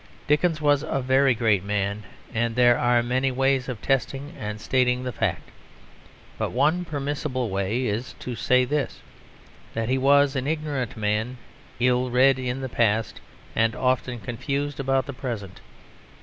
Dickens was a very great man, and there are many ways of testing and stating the fact. But one permissible way is to say this, that he was an ignorant man, ill read in the past, and often confused about the present.